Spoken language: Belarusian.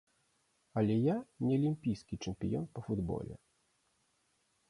Але я не алімпійскі чэмпіён па футболе.